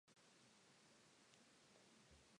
A Register of Irish Clans can be consulted on its website.